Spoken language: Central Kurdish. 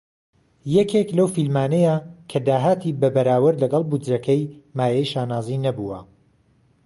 یەکێک لەو فیلمانەیە کە داهاتی بە بەراورد لەگەڵ بودجەکەی مایەی شانازی نەبووە.